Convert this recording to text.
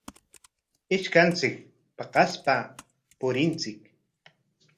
Ishkanchik paqaspa purinchik.